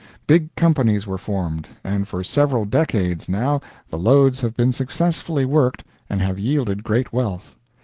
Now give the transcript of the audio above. Big companies were formed, and for several decades, now, the lodes have been successfully worked, and have yielded great wealth.